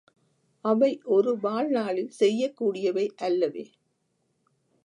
அவை ஒரு வாழ்நாளில் செய்யக் கூடியவை அல்லவே!